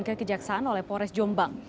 kekejaksaan oleh pores jombang